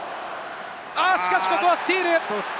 しかし、ここはスティール！